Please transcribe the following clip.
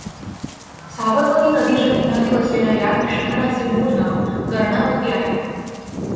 साबरमती नदीच्या किनारी वसलेल्या या शहराचे मूळ नाव कर्णावती आहे.